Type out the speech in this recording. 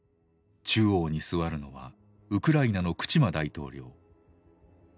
中央に座るのはウクライナのクチマ大統領。